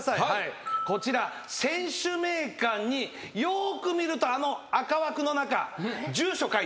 こちら選手名鑑によーく見るとあの赤枠の中。